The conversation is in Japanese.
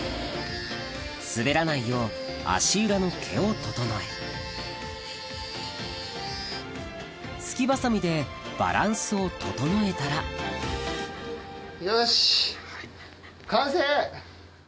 滑らないよう足裏の毛を整えすきバサミでバランスを整えたらよし完成！